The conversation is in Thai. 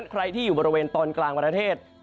ใครที่อยู่บริเวณตอนกลางประเทศ